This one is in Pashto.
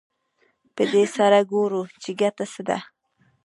په دې سره ګورو چې ګټه څه ده